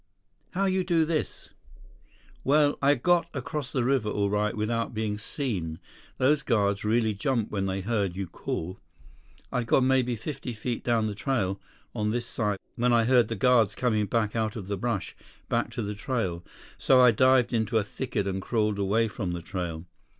"How you do this?" 93 "Well, I got across the river all right without being seen. Those guards really jumped when they heard you call. I'd gone maybe fifty feet down the trail, on this side, when I heard the guards coming back out of the brush, back to the trail. So I dived into a thicket and crawled away from the trail.